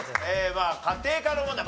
家庭科の問題。